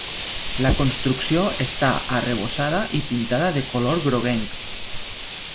La construcció està arrebossada i pintada de color groguenc.